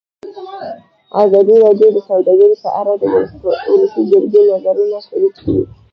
ازادي راډیو د سوداګري په اړه د ولسي جرګې نظرونه شریک کړي.